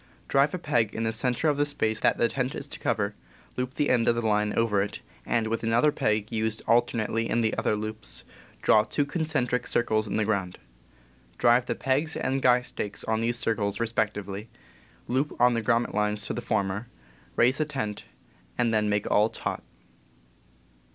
Drive a peg in the center of the space that the tent is to cover, loop the end of the line over it, and, with another peg used alternately in the other loops, draw two concentric circles on the ground. Drive the pegs and guy stakes on these circles, respectively, loop on the grommet lines to the former, raise the tent, and then make all taut.